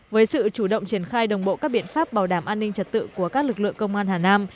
với sự chủ động triển khai đồng bộ các biện pháp bảo đảm an ninh trật tự của các lực lượng công an hà nam